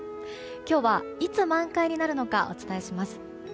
今日は、いつ満開になるのかお伝えします。